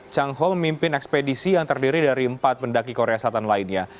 chang ho memimpin ekspedisi yang terdiri dari empat pendaki korea selatan lainnya